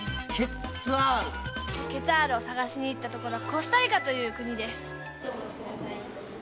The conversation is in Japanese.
ケツァールを探しに行ったところはコスタリカという国です。